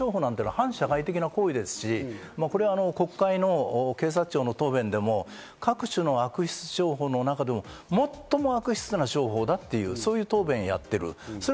霊感商法なんてのは反社会的な行為、国会の警察庁の答弁でも各種の悪質商法の中でも最も悪質な商法だと、そういう答弁をやってる。